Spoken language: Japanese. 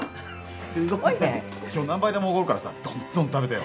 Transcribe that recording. すごいね今日何杯でもおごるからさどんどん食べてよ